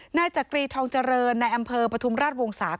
หน้าจักรีทองเจริญในอำเภอประทุมราชวงศาสตร์